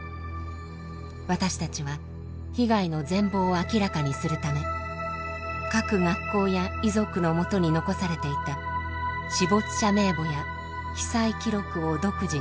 私たちは被害の全貌を明らかにするため各学校や遺族のもとに残されていた死没者名簿や被災記録を独自に収集。